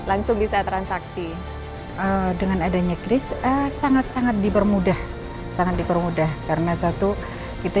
untuk indonesia kita sudah mempercepat sistem digital nasional ekonomi dan finansial kita